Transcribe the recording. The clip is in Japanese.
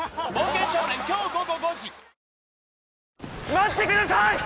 待ってください！